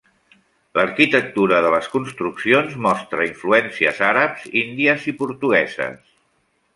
L'arquitectura de les construccions mostra influències àrabs, índies i portugueses.